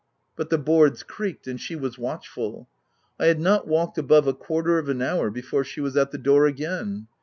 But the boards creaked, and she was watchful. I had not walked above a quarter of an hour before she was at the door again.